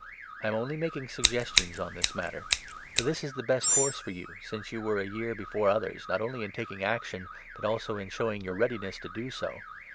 I am only making suggestions on this 10 matter ; for this is the best course for you, since you were a year before others, not only in taking action, but also in showing your readiness to do so.